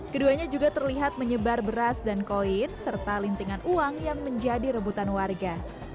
keduanya juga terlihat menyebar beras dan koin serta lintingan uang yang menjadi rebutan warga